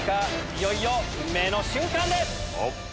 いよいよ運命の瞬間です！